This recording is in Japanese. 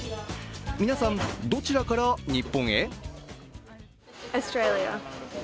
皆さん、どちらから日本へ？